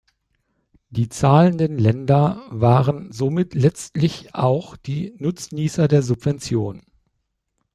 Die zahlenden Ländern waren somit letztlich auch die Nutznießer der Subventionen.